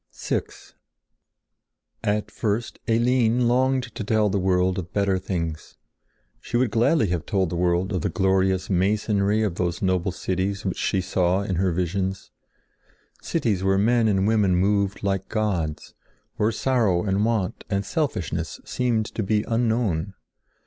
VI At first Eline longed to tell the world of better things. She would gladly have told the world of the glorious masonry of those noble cities which she saw in her visions—cities where men and women moved like gods; where sorrow and want and selfishness seemed to be unknown.